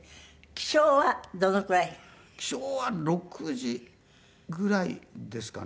起床は６時ぐらいですかね。